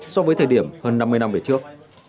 so với thời điểm hơn năm mươi năm về trước